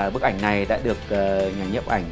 bức ảnh này đã được nhà nhập ảnh